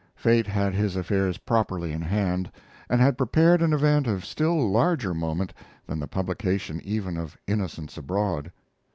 Fate had his affairs properly in hand, and had prepared an event of still larger moment than the publication even of Innocents Abroad.